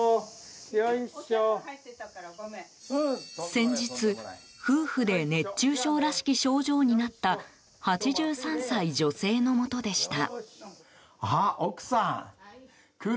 先日、夫婦で熱中症らしき症状になった８３歳女性のもとでした。